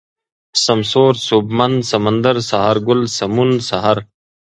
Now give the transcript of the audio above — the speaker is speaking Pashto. سمسور ، سوبمن ، سمندر ، سهارگل ، سمون ، سحر